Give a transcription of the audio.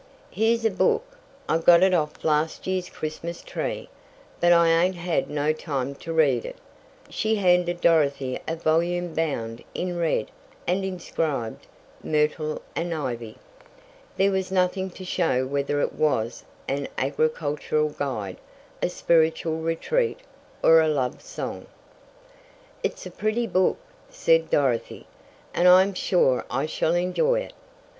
"Here's a book. I got it off last year's Christmas tree, but I ain't had no time to read it." She handed Dorothy a volume bound in red and inscribed "Myrtle and Ivy." There was nothing to show whether it was an agricultural guide, a spiritual retreat, or a love song. "It's a pretty book," said Dorothy, "and I am sure I shall enjoy it."